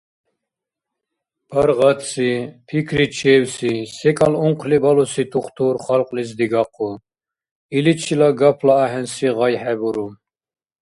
Паргъатси, пикричевси, секӀал ункъли балуси тухтур халкьлис дигахъу, иличила гапла ахӀенси гъай хӀебуру.